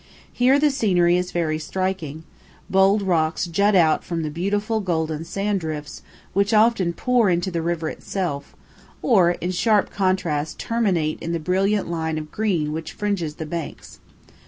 Here the scenery is very striking; bold rocks jut out from the beautiful golden sand drifts which often pour into the river itself, or in sharp contrast terminate in the brilliant line of green which fringes the banks.